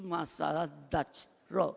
masalah dutch roll